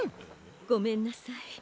ごめんなさい。